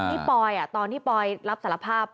นี่ปอยอะตอนที่ปอยรับสารภาพครับ